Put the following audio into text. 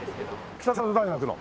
北里大学の？